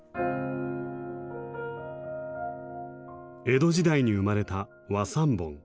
江戸時代に生まれた和三盆。